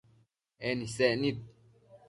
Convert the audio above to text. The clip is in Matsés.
En isec nid